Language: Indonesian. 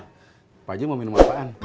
pak haji mau minum apaan